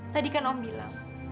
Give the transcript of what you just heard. tadi kan om bilang